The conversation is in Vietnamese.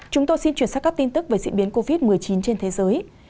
chúng tôi xin chuyển sang các tin tức về diễn biến covid một mươi chín trên thế giới